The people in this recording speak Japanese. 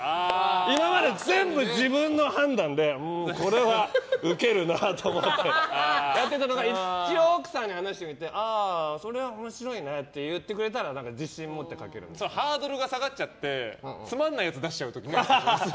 今まで全部自分の判断でこれはウケるなと思ってやってたのが一応奥さんに話してみてそれは面白いねって言ってくれたらハードルが下がっちゃってつまらないやつ出しちゃう時ないんですか？